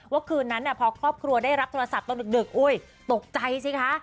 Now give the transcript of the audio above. คืนนั้นพอครอบครัวได้รับโทรศัพท์ตอนดึกอุ๊ยตกใจสิคะ